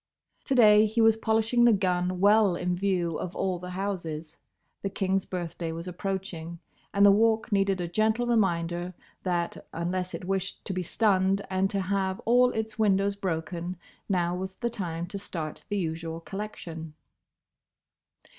To day he was polishing the gun well in view of all the houses. The King's birthday was approaching, and the Walk needed a gentle reminder that unless it wished to be stunned and to have all its windows broken, now was the time to start the usual collection.